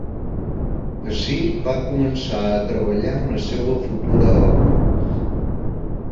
Ací va començar a treballar en la seua futura obra.